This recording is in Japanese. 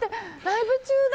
ライブ中に？